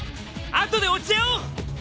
後で落ち合おう！